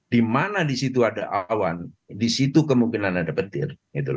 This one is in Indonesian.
di mana di situ ada awan di situ kemungkinan ada petir